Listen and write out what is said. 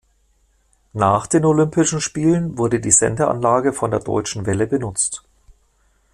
Nach den Olympischen Spielen wurde die Sendeanlage von der Deutschen Welle benutzt.